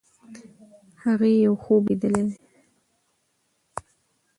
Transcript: هغې یو خوب لیدلی دی.